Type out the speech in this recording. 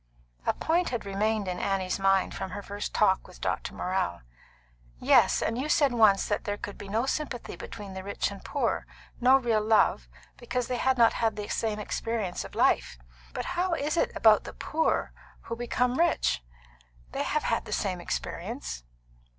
A point had remained in Annie's mind from her first talk with Dr. Morrell. "Yes; and you said once that there could be no sympathy between the rich and the poor no real love because they had not had the same experience of life. But how is it about the poor who become rich? They have had the same experience."